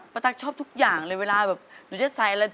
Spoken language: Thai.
ตั๊กชอบทุกอย่างเลยเวลาแบบหนูจะใส่อะไร